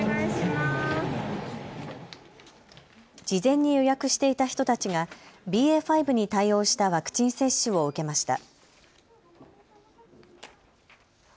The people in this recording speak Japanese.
事前に予約していた人たちがＢＡ．５に対応したワクチン接種を受けました。